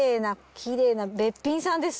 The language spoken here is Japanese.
きれいなべっぴんさんです